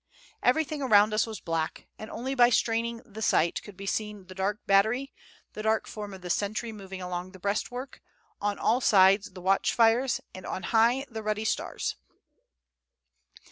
Everything around us was black; and only by straining the sight could be seen the dark battery, the dark form of the sentry moving along the breastwork, on all sides the watch fires, and on high the ruddy stars.